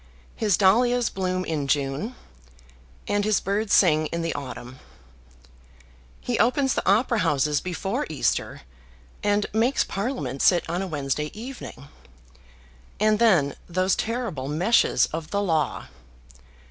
His dahlias bloom in June, and his birds sing in the autumn. He opens the opera houses before Easter, and makes Parliament sit on a Wednesday evening. And then those terrible meshes of the Law!